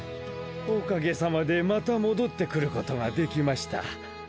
おかげさまでまた戻ってくることができました。